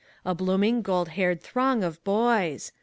— a blooming, gold haired throng of boys.